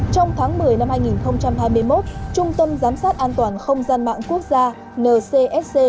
trong tháng một mươi năm hai nghìn hai mươi một trung tâm giám sát an toàn không gian mạng quốc gia ncsc